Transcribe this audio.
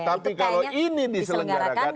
tapi kalau ini diselenggarakan